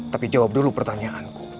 tapi jawab dulu pertanyaanku